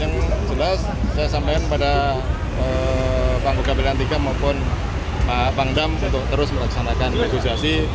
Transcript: yang jelas saya sampaikan pada panggung kabupaten tiga maupun pangdam untuk terus melaksanakan negosiasi